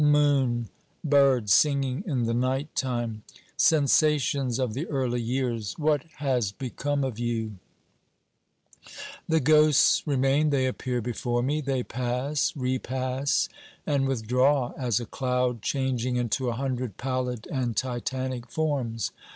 Moon! Birds singing in the night time ! Sensations of the early years, what has become of you ? The ghosts remain ; they appear before me ; they pass, repass, and withdraw, as a cloud changing into a hundred pallid and titanic forms.